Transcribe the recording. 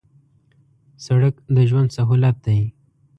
سړک د ژوند سهولت دی